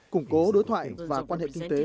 củng cố đối thoại và quan hệ kinh tế